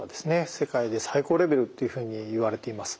世界で最高レベルっていうふうにいわれています。